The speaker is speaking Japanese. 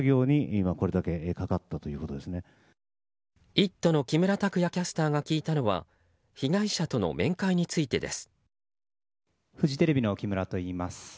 「イット！」の木村拓也キャスターが聞いたのは被害者との面会についてです。